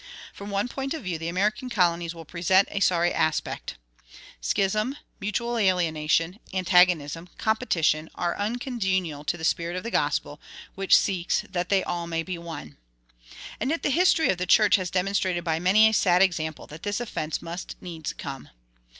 From one point of view the American colonies will present a sorry aspect. Schism, mutual alienation, antagonism, competition, are uncongenial to the spirit of the gospel, which seeks "that they all may be one." And yet the history of the church has demonstrated by many a sad example that this offense "must needs come."